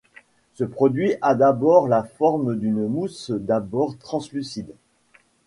Ce produit a d'abord la forme d'une mousse d’abord translucide.